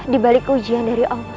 di balik ujian dari allah